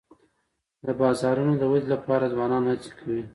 د بازارونو د ودي لپاره ځوانان هڅي کوي.